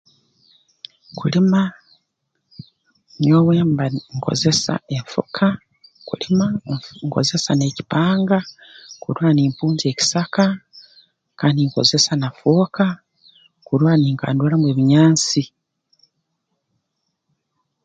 Kulima nyowe mba nkozesa enfuka kulima nkozesa n'ekipanga kurora nimpungya ekisaka kandi nkozesa na fooka kurora ninkanduuramu ebinyansi